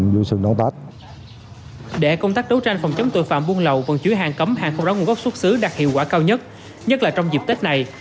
xuất xứ đạt hiệu quả cao nhất nhất là trong dịp tết này